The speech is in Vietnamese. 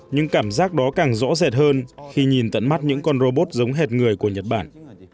nhưng cảm giác đó càng rõ rệt hơn khi nhìn tận mắt những con robot giống hệt người của nhật bản